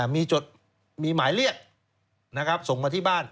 มีจดมีหมายเรียกส่งมาที่บ้าน